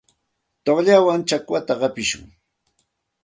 Tuqllawan chakwata hapishun.